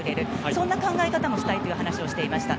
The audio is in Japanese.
そんな考え方もしたいという話をしていました。